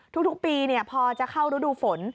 ทุกปีพอจะเข้ารูดูฝน